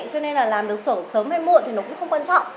cho nên là làm được sổ sớm hay muộn thì nó cũng không quan trọng